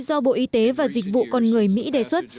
do bộ y tế và dịch vụ con người mỹ đề xuất